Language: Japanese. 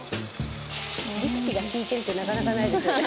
力士が引いてるってなかなか、ないですよね。